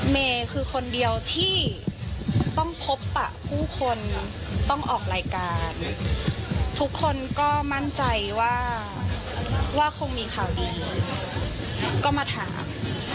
เมย์คือคนเดียวที่ต้องพบปะผู้คนต้องออกรายการทุกคนก็มั่นใจว่าคงมีข่าวดีก็มาถาม